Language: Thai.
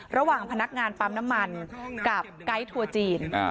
ระหว่างพนักงานปั๊มน้ำมันกับไกด์ทัวร์จีน